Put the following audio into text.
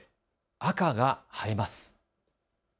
赤が映えます。